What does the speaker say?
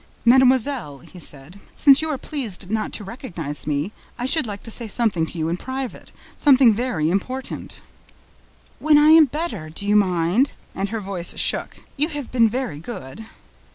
"Mademoiselle," he said, "since you are pleased not to recognize me, I should like to say something to you in private, something very important." "When I am better, do you mind?" And her voice shook. "You have been very good."